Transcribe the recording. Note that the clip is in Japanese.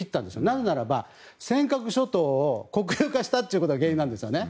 なぜならば尖閣諸島を国有化したことが原因なんですね。